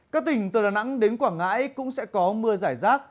các tỉnh từ đà nẵng đến quảng ngãi cũng sẽ có mưa giải rác